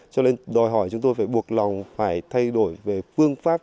cho nên đòi hỏi chúng tôi phải buộc lòng phải thay đổi về phương pháp